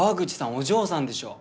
お嬢さんでしょ